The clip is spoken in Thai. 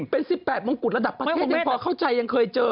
เป็นสิบแปดมงกุฎระดับประเทศจริงเพราะเข้าใจยังเคยเจอ